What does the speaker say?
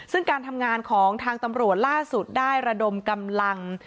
ซึ่งการทำงานของทางตำรวจล่าสุดได้ระดมกำลัง